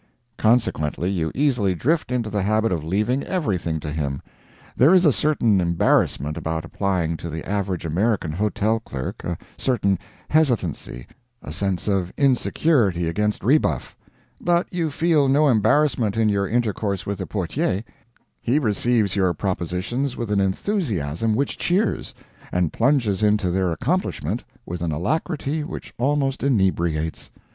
Consequently, you easily drift into the habit of leaving everything to him. There is a certain embarrassment about applying to the average American hotel clerk, a certain hesitancy, a sense of insecurity against rebuff; but you feel no embarrassment in your intercourse with the portier; he receives your propositions with an enthusiasm which cheers, and plunges into their accomplishment with an alacrity which almost inebriates.